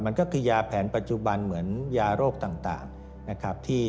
มันก็คือยาแผนปัจจุบันเหมือนยาโรคต่างนะครับ